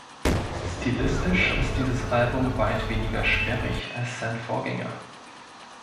Stilistisch ist dieses Album weit weniger sperrig als sein Vorgänger.